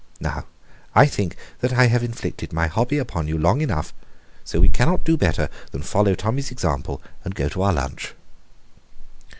Now, I think that I have inflicted my hobby upon you long enough, so we cannot do better than follow Tommy's example, and go to our lunch."